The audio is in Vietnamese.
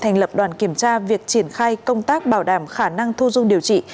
thành lập đoàn kiểm tra việc triển khai công tác bảo đảm khả năng thu dung điều trị